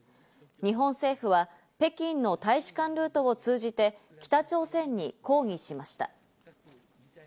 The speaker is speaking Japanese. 日本政府は北京の大使館ルートを通じて北朝鮮に抗議しました。